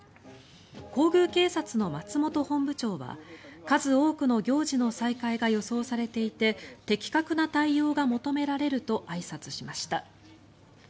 皇宮警察の松本本部長は数多くの行事の再開が予定されていて的確な対応が求められるとあいさつしました。